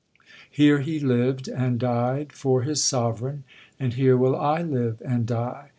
Here he lived and died for his sovereign,—and here will I live and die.